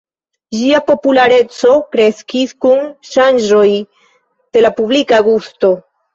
Ĝia populareco kreskis kun ŝanĝoj en la publika gusto.